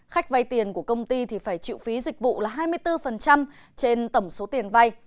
khách vai tiền của công ty phải chịu phí dịch vụ là hai mươi bốn trên tổng số tiền vai